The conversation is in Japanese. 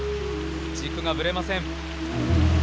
軸がぶれません。